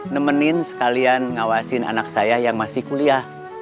nemenin sekalian ngawasin anak saya yang masih kuliah